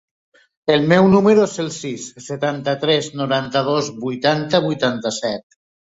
El meu número es el sis, setanta-tres, noranta-dos, vuitanta, vuitanta-set.